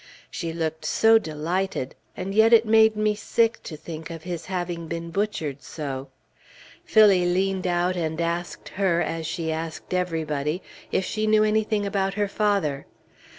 She looked so delighted, and yet it made me sick to think of his having been butchered so. Phillie leaned out, and asked her, as she asked everybody, if she knew anything about her father.